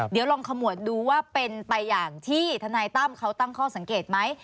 เดี๋ยวลองขมวดดูว่าเป็นไปอย่างที่ทนายตั้มเขาตั้งข้อสังเกตไหม